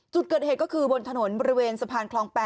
จุดเกิดเหตุก็คือบนถนนบริเวณสะพานคลอง๘